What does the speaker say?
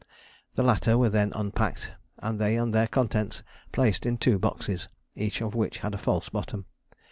The latter were then unpacked and they and their contents placed in two boxes, each of which had a false bottom.